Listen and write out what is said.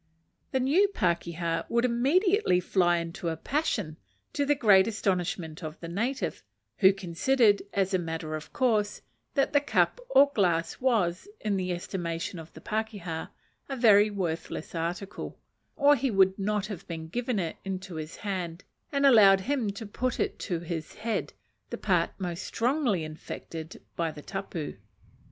The new pakeha would immediately fly into a passion, to the great astonishment of the native; who considered as a matter of course, that the cup or glass was, in the estimation of the pakeha, a very worthless article, or he would not have given it into his hand and allowed him to put it to his head, the part most strongly infected by the tapu.